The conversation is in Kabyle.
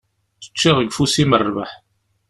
Ččiɣ deg ufus-im rrbeḥ.